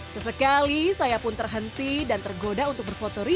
sesekali saya pun terhenti dan tergoda untuk berfoto